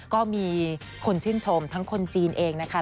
ก็มีคนชื่นชมทั้งคนจีนเองนะคะ